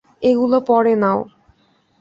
এগুলো পরে নাও।